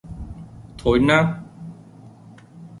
thối nát